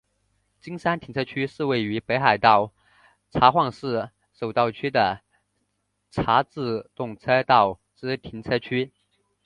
金山停车区是位于北海道札幌市手稻区的札樽自动车道之停车区。